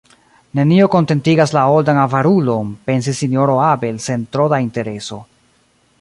Nenio kontentigas la oldan avarulon, pensis Sinjoro Abel sen tro da intereso.